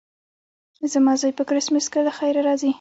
زما زوی په کرېسمس کې له خیره راځي.